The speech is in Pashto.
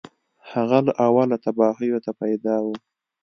هغه له اوله تباهیو ته پیدا و